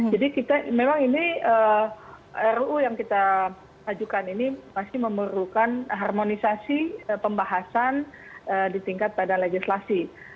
jadi memang ini ruu yang kita ajukan ini masih memerlukan harmonisasi pembahasan di tingkat pada legislasi